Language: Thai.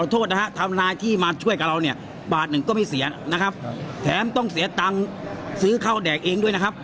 โทษนะฮะทำนายที่มาช่วยกับเราเนี่ยบาทหนึ่งก็ไม่เสียนะครับแถมต้องเสียตังค์ซื้อข้าวแดกเองด้วยนะครับ